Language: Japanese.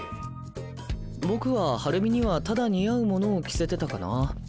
僕はハルミにはただ似合うものを着せてたかな。